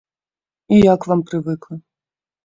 І я к вам прывыкла.